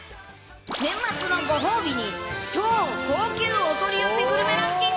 年末のご褒美に、超高級お取り寄せグルメランキング。